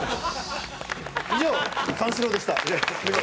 以上三志郎でした。